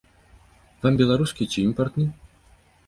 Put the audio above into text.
Вам беларускі ці імпартны?